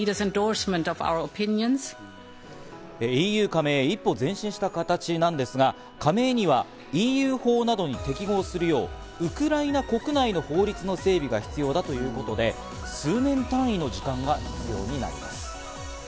ＥＵ加盟へ一歩前進した形なんですが、加盟にはＥＵ法などに適合するようウクライナ国内の法律の整備が必要だということで、数年単位の時間が必要になります。